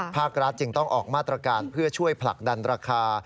ภาครัฐจึงต้องออกมาตรการเพื่อช่วยผลักดันราคา